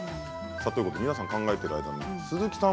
皆さん考えている間に鈴木さん